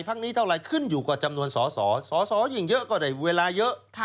พักนี้เท่าไรขึ้นอยู่กับจำนวนสอสอสอสอยิ่งเยอะก็ได้เวลาเยอะ